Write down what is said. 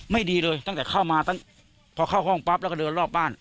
ไม่ดีเลยตั้งแต่เข้ามาตั้งพอเข้าห้องปั๊บแล้วก็เดินรอบบ้าน